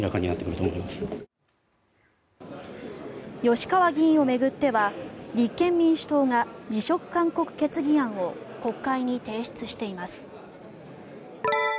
吉川議員を巡っては立憲民主党が辞職勧告決議案を国会に提出しています。